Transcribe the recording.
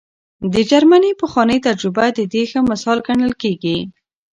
د جرمني پخوانۍ تجربه د دې ښه مثال ګڼل کېږي.